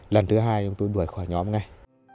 lần thứ hai chúng tôi đuổi khỏi nhóm ngay